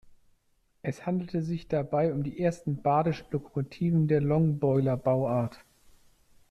Es handelte sich dabei um die ersten badischen Lokomotiven der Longboiler-Bauart.